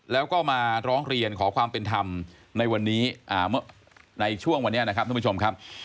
แล้วก็มาร้องเรียนขอความเป็นธรรมในวันนี้ในช่วงวันนี้นะครับทุกผู้ชมครับ